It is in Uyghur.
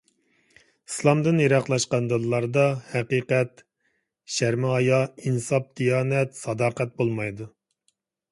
ئىسلامدىن يىراقلاشقان دىللاردا ھەقىقەتەن شەرمى-ھايا، ئىنساپ-دىيانەت، ساداقەت بولمايدۇ.